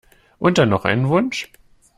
Und dann noch einen Wunsch?